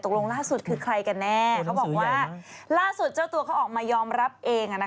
ล่าสุดคือใครกันแน่เขาบอกว่าล่าสุดเจ้าตัวเขาออกมายอมรับเอง